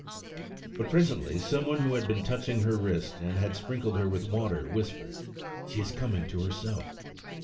But presently some one who had been touching her wrist and had sprinkled her with water whispered, "She is coming to herself!"